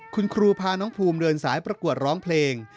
คุณครูพาน้องภูมิเดินสายประกวดร้องเพลง